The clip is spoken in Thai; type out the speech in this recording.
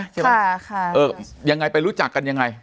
ใช่ไหมคะเออยังไงไปรู้จักกันยังไง